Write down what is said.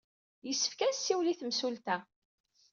Yessefk ad nsiwel i temsulta.